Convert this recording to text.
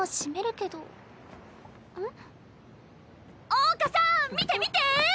桜花さん見て見て！